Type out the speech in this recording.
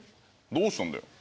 どうしたんだよ？